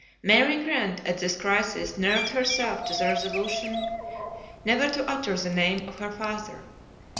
Mary Grant at this crisis nerved herself to the resolution never to utter the name of her father.